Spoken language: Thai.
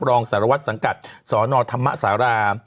รองสารวัตรสังกัดสนธรรมศาลา